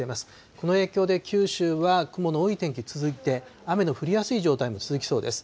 この影響で九州は雲の多い天気、続いて、雨の降りやすい状態も続きそうです。